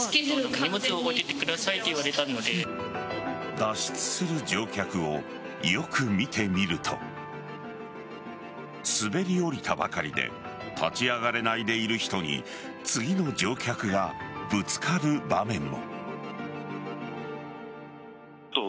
脱出する乗客をよく見てみると滑り降りたばかりで立ち上がれないでいる人に次の乗客がぶつかる場面も。